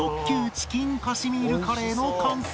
チキンカシミールカレーの完成